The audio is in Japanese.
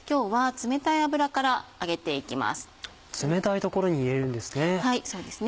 冷たい所に入れるんですね。